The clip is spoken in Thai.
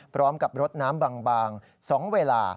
พร้อมกับรดน้ำบาง๒เวลา